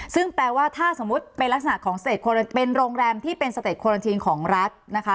ซึ่งแปลว่าถ้าสมมุติเป็นลักษณะของเป็นโรงแรมที่เป็นของรัฐนะคะ